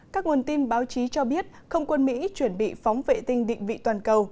các nguồn tin báo chí cho biết không quân mỹ chuẩn bị phóng vệ tinh định vị toàn cầu